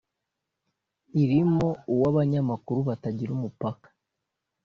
irimo uw’abanyamakuru batagira umupaka